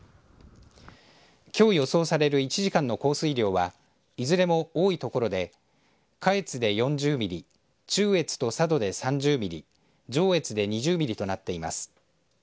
きょう予想される１時間の降水量はいずれも多い所で下越で４０ミリ中越と佐渡で３０ミリ上越で２０ミリとなっています。